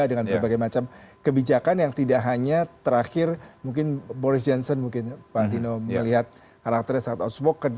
dengan berbagai macam kebijakan yang tidak hanya terakhir mungkin boris johnson mungkin pak dino melihat karakternya sangat outswoken